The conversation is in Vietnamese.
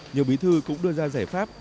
nhiều bí thư cũng đưa ra giải pháp